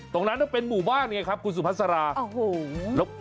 ตรงนั้นเป็นหมู่บ้านไงครับคุณสุภาษาโอ้โห